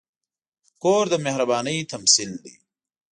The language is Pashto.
کور د مهربانۍ تمثیل دی.